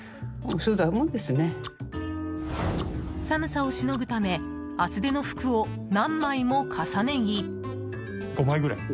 寒さをしのぐため厚手の服を何枚も重ね着。